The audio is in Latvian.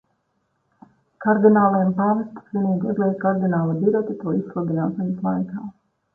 Kardināliem pāvests svinīgi uzliek kardināla bireti to izsludināšanas laikā.